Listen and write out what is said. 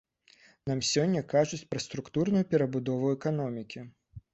Нам сёння кажуць пра структурную перабудову эканомікі.